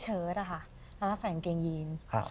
ใส่กางเยน